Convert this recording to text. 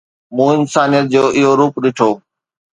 مون انسانيت جو اهو روپ ڏٺو